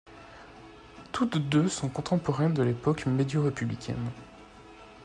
Toutes deux sont contemporaines de l'époque médio-républicaine.